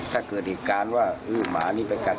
ถ้าเกิดเหตุการณ์ว่าอื้อหมานี่ไปกัด